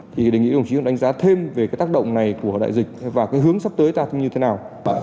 thì đề nghị đồng chí cũng đánh giá thêm về cái tác động này của đại dịch và cái hướng sắp tới ta cũng như thế nào